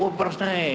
oh beras naik